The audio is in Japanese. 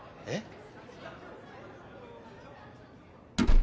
えっ？